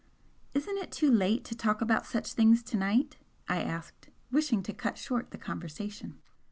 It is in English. "Isn't it too late to talk about such things to night?" I asked, wishing to cut short the conversation.